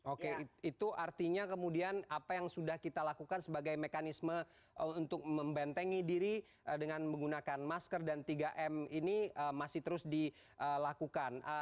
oke itu artinya kemudian apa yang sudah kita lakukan sebagai mekanisme untuk membentengi diri dengan menggunakan masker dan tiga m ini masih terus dilakukan